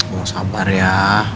mau sabar ya